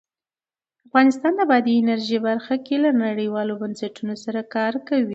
افغانستان د بادي انرژي برخه کې له نړیوالو بنسټونو سره کار کوي.